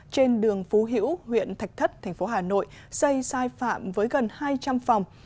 trên đường phú hữu huyện thạch thất thành phố hà nội xây sai phạm với gần hai trăm linh phòng